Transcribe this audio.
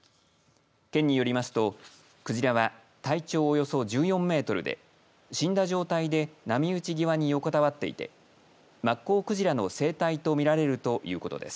県によりますとクジラは体長およそ１４メートルで死んだ状態で波打ち際に横たわっていてマッコウクジラの成体とみられるということです。